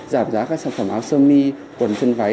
giảm giá các sản phẩm áo sơ mi quần chân váy